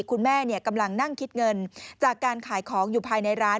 คุณแม่กำลังนั่งคิดเงินจากการขายของอยู่ภายในร้าน